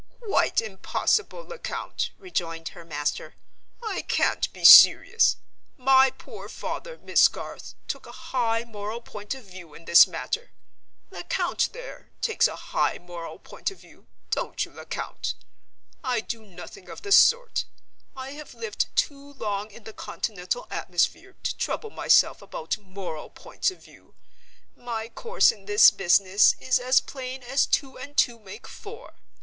"Quite impossible, Lecount," rejoined her master. "I can't be serious. My poor father, Miss Garth, took a high moral point of view in this matter. Lecount, there, takes a high moral point of view—don't you, Lecount? I do nothing of the sort. I have lived too long in the Continental atmosphere to trouble myself about moral points of view. My course in this business is as plain as two and two make four.